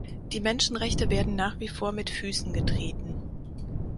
Die Menschenrechte werden nach wie vor mit Füßen getreten.